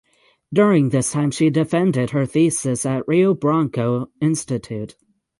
During this time she defended her thesis at the Rio Branco Institute.